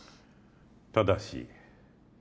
ただし